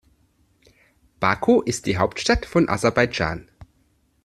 Baku ist die Hauptstadt von Aserbaidschan.